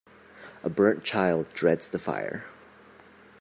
A burnt child dreads the fire